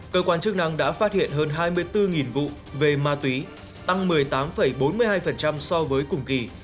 cơ quan chức năng đã phát hiện hơn hai mươi bốn vụ về ma túy tăng một mươi tám bốn mươi hai so với cùng kỳ